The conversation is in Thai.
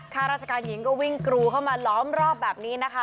ข้าราชการหญิงก็วิ่งกรูเข้ามาล้อมรอบแบบนี้นะคะ